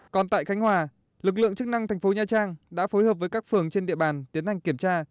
còn tại khánh hòa lực lượng chức năng thành phố nha trang đã phối hợp với các phường trên địa bàn tiến hành kiểm tra